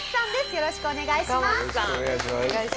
よろしくお願いします。